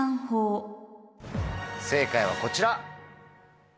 正解はこちら。